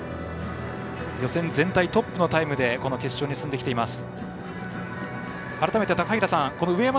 予選全体トップのタイムで決勝に進んできた、上山。